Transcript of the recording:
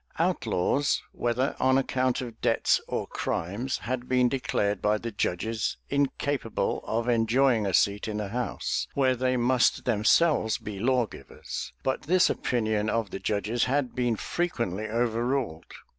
Outlaws, whether on account of debts or crimes, had been declared by the judges[*] incapable of enjoying a seat in the house, where they must themselves be lawgivers; but this opinion of the judges had been frequently overruled.